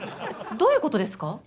どういうことですか？